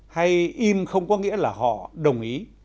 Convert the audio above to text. hay im không có nghĩa là họ đồng ý